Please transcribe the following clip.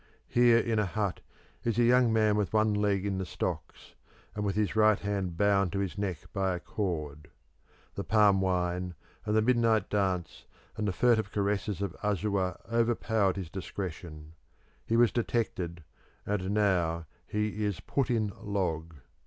Here in a hut is a young man with one leg in the stocks, and with his right hand bound to his neck by a cord. The palm wine, and the midnight dance, and the furtive caresses of Asua overpowered his discretion; he was detected, and now he is "put in log."